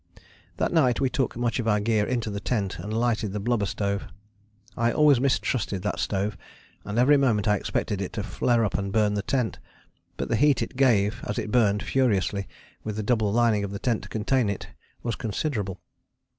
That night we took much of our gear into the tent and lighted the blubber stove. I always mistrusted that stove, and every moment I expected it to flare up and burn the tent. But the heat it gave, as it burned furiously, with the double lining of the tent to contain it, was considerable.